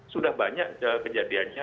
sudah banyak kejadiannya